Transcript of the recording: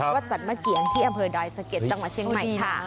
วัดสัตว์เมื่อกียงที่อำเภอดอยสะเกียจต่อมาเชียงใหม่ค่ะ